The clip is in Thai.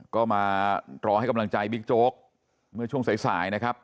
ก็มารอให้กำลังใจบิ๊กโจ๊กเมื่อช่วงสายสายนะครับ